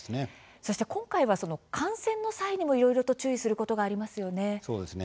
そして、今回は観戦の際にもいろいろと注意することがありますよね。